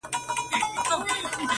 • پلار له سترګو ځان پټوي..